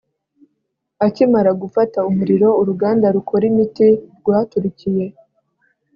akimara gufata umuriro, uruganda rukora imiti rwaturikiye